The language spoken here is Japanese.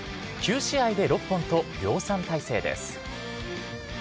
９試合で６本と量産体制です。